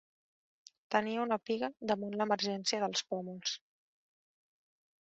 Tenia una piga damunt l'emergència dels pòmuls.